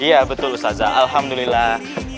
iya betul ustazah alhamdulillah